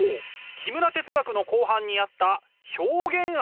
木村哲学の後半にあった表現愛！